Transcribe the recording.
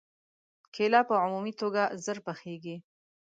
کېله په عمومي توګه ژر پخېږي.